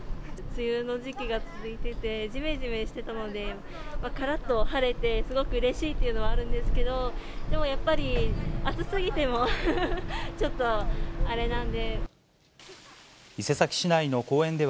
梅雨の時期が続いてて、じめじめしてたので、からっと晴れて、すごくうれしいというのはあるんですけど、でもやっぱり、暑すぎても、ちょっとあれなんで。